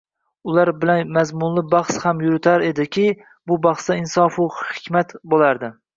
Ular bilan mazmunli bahs ham yuritar ediki, bu bahsida insofu hishmat bo‘lardi